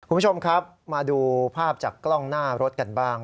คุณผู้ชมครับมาดูภาพจากกล้องหน้ารถกันบ้าง